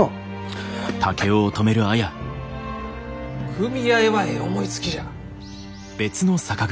組合はえい思いつきじゃ。